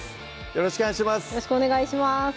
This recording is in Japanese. よろしくお願いします